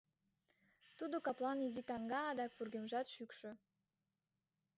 Тудо каплан изи, каҥга, адак вургемжат шӱкшӧ.